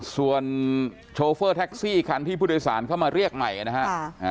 ส่วนโชเฟอร์แท็กซี่คันที่ผู้โดยสารเข้ามาเรียกใหม่นะฮะ